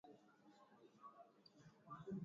Kijana yule ananipendeza sana.